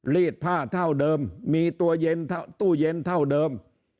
รีดผ้าเท่าเดิมมีตัวเย็นตู้เย็นเท่าเดิม